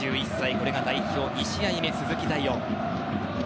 これが代表２試合目の鈴木彩艶。